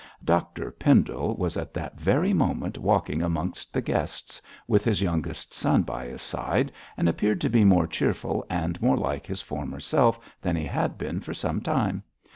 Dr Pendle was at that very moment walking amongst the guests, with his youngest son by his side, and appeared to be more cheerful and more like his former self than he had been for some time.